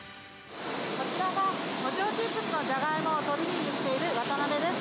こちらがポテトチップスのジャガイモをトリミングしている渡邉です。